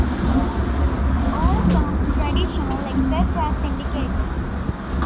All songs traditional except as indicated.